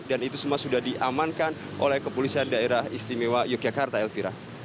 dan itu semua sudah diamankan oleh kepolisian daerah istimewa yogyakarta elvira